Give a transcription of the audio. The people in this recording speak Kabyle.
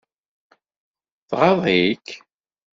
Tɣaḍ-ik?